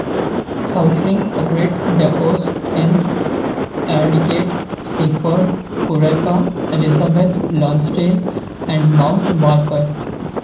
SouthLink operate depots in Aldgate, Seaford, Pooraka, Elizabeth, Lonsdale and Mount Barker.